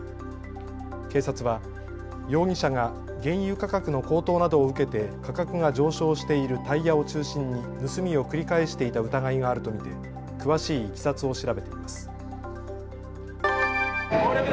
警察は容疑者が原油価格の高騰などを受けて価格が上昇しているタイヤを中心に盗みを繰り返していた疑いがあると見て詳しいいきさつを調べています。